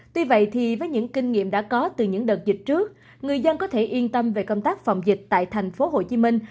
tuy vậy thì với những kinh nghiệm đã có từ những đợt dịch trước người dân có thể yên tâm về công tác phòng dịch tại thành phố hồ chí minh